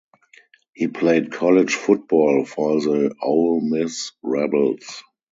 He played college football for the Ole Miss Rebels.